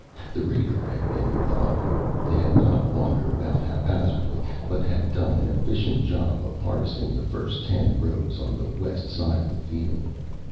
The raider had been methodical; it had not wandered about haphazardly, but had done an efficient job of harvesting the first ten rows on the west side of the field.